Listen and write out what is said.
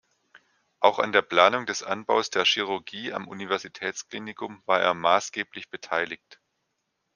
Auch an der Planung des Anbaus der Chirurgie am Universitätsklinikum war er maßgeblich beteiligt.